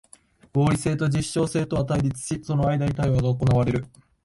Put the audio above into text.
合理性と実証性とは対立し、その間に対話が行われる。